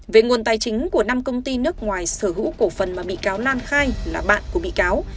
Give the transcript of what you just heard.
về nguồn tài chính của năm công ty nước ngoài sở hữu cổ phần mà bị cáo lan khai là bạn của bị cáo